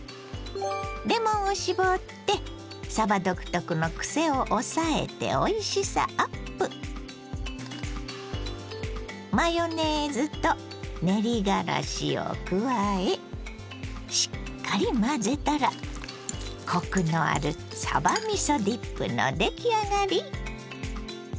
レモンを搾ってさば独特のクセを抑えておいしさアップ！を加えしっかり混ぜたらコクのあるさばみそディップの出来上がり。